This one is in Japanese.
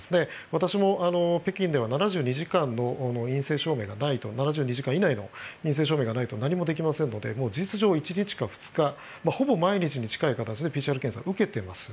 私も北京では７２時間以内の陰性証明がないと何もできませんので事実上１日か２日ほぼ毎日に近い形でＰＣＲ検査受けています。